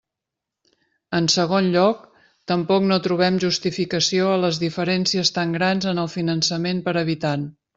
En segon lloc, tampoc no trobem justificació a les diferències tan grans en el finançament per habitant.